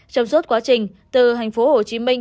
trong suốt quá trình từ tp hcm